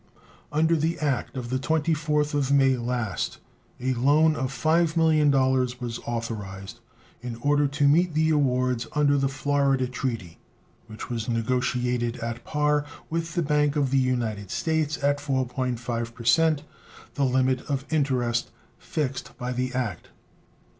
Under the act of the 24th of May last a loan of $5 millions was authorized, In order to meet the awards under the Florida treaty, which was negotiated at par with the Bank of the United States at 4.5%, the limit of interest fixed by the act.